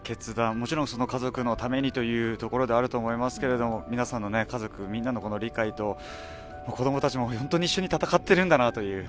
もちろん、家族のためにということではあると思いますけど皆さんの家族みんなの理解と子供たちも本当に一緒に戦っているんだなという。